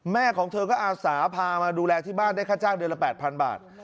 ของเธอก็อาสาพามาดูแลที่บ้านได้ค่าจ้างเดือนละ๘๐๐บาท